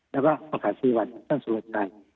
แล้วก็ประกาศีบัตรที่ท่านสุรไชร่